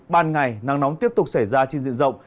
ban ngày nắng nóng tiếp tục xảy ra trên diện rộng